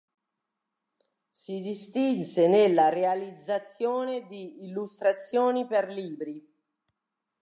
Si distinse nella realizzazione di illustrazioni per libri.